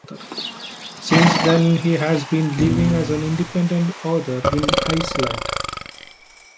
Since then he has been living as an independent author in Iceland.